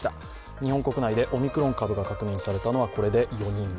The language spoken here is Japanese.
日本国内でオミクロン株が確認されたのはこれで４人目。